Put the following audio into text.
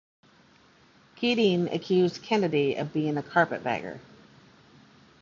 Keating accused Kennedy of being a carpetbagger.